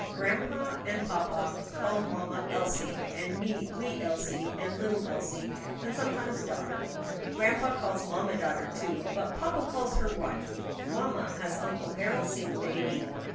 "Grandpa and papa call mamma Elsie, and me wee Elsie and little Elsie, and sometimes daughter. Grandpa calls mamma daughter too, but papa calls her wife. Mamma, has Uncle Harold seen baby?"